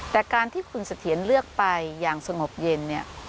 แต่การที่คุณเสถียรเลือกไปอย่างสงบเย็นเนี่ย